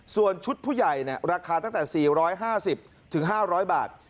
ส่วนชุดผู้ใหญ่ราคาตั้งแต่๔๕๐๕๐๐บาท